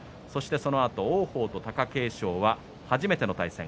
そのあと王鵬と貴景勝は初めての対戦。